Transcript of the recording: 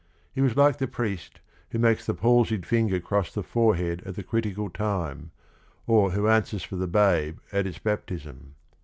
He was like the priest who makes the palsied finger cross the forehead at the critical time, or who answers for the babe at its baptism.